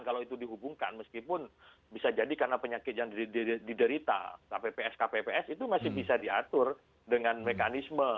kalau itu dihubungkan meskipun bisa jadi karena penyakit yang diderita kpps kpps itu masih bisa diatur dengan mekanisme